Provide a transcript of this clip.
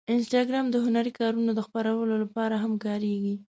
انسټاګرام د هنري کارونو د خپرولو لپاره هم کارېږي.